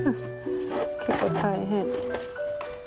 結構大変。